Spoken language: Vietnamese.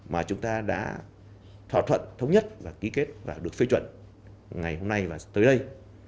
mà chúng ta đã thỏa thuận thống nhất và ký kết và được phê chuẩn ngày hôm nay và tới đây